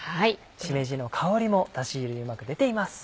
しめじの香りもだし汁にうまく出ています。